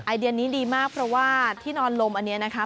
เดียนี้ดีมากเพราะว่าที่นอนลมอันนี้นะคะ